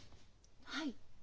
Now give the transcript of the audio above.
はい。